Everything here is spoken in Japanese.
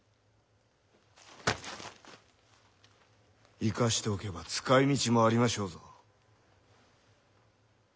生かしておけば使いみちもありましょうぞ。